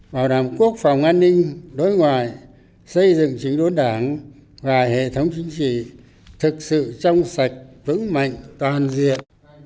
bảo đảm quốc phòng an ninh đối ngoại xây dựng chính đốn đảng và hệ thống chính trị thực sự trong sạch vững mạnh toàn diện